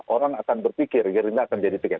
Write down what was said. orang akan berpikir gerindra akan jadi tiket